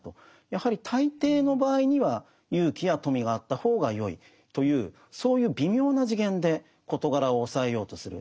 やはり大抵の場合には勇気や富があった方がよいというそういう微妙な次元で事柄をおさえようとする。